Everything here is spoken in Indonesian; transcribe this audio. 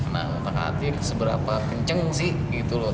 nah ngutang hati seberapa kenceng sih gitu loh